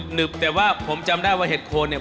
แต่ว่าผมจำได้ว่าเห็ดโคนเนี่ย